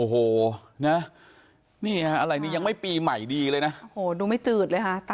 โอ้โหนะนี่ฮะอะไรนี่ยังไม่ปีใหม่ดีเลยนะโอ้โหดูไม่จืดเลยค่ะ